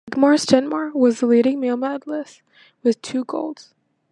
Ingemar Stenmark was the leading male medalist, with two golds.